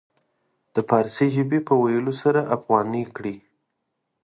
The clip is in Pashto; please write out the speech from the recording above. د فارسي ژبې په ويلو سره افغاني کړي.